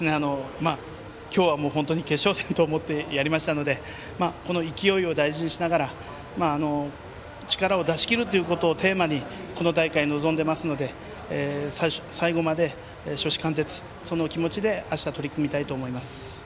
今日はもう本当に決勝戦と思ってやりましたのでこの勢いを大事にしながら力を出しきるということをテーマにこの大会、臨んでいますので最後まで初志貫徹、その気持ちであした、取り組みたいと思います。